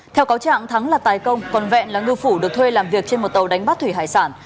theo cáo trạng thắng là tài công còn vẹn là ngư phủ được thuê làm việc trên một tàu đánh bắt thủy hải sản